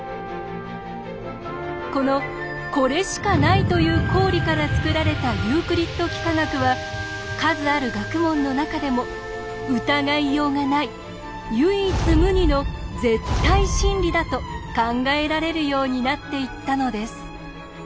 この「これしかない」という公理から作られたユークリッド幾何学は数ある学問の中でも「疑いようがない唯一無二の絶対真理」だと考えられるようになっていったのです。